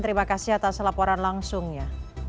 terima kasih atas laporan langsungnya